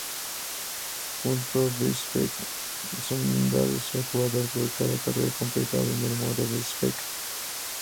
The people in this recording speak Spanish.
Puntos B-Spec son dados al jugador por cada carrera completada en el modo B-Spec.